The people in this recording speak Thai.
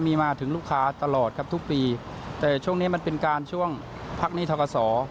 มีมาถึงลูกค้าตลอดครับทุกปีแต่ช่วงนี้มันเป็นการช่วงพักหนี้ทกศ